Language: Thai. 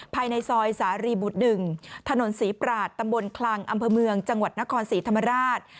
ภายในซอยสารีบุตร๑ถนนศรีปราชตำบลคลังอำเภอเมืองจังหวัดนครศรีธรรมราช